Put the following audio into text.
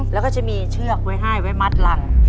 แล้วก็จะมีเชือกไว้ให้ไว้มัดรัง